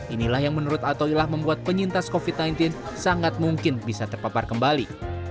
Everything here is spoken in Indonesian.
inilah yang menurut atoilah membuat penyintas covid sembilan belas sangat mungkin bisa terpapar kembali